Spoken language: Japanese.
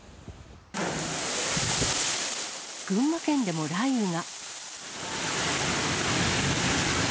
群馬県でも雷雨が。